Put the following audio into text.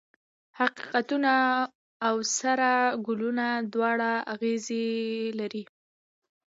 حقیقتونه او سره ګلونه دواړه اغزي لري.